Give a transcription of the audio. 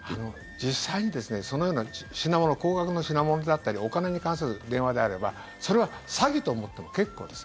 実際にそのような高額な品物であったりお金に関する電話であればそれは詐欺と思っても結構です。